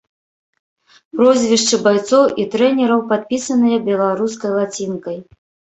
Прозвішчы байцоў і трэнераў падпісаныя беларускай лацінкай.